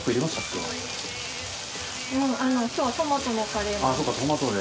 今日トマトのカレーなので。